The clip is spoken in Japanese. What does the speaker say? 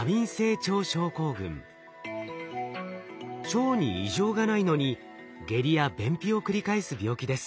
腸に異常がないのに下痢や便秘を繰り返す病気です。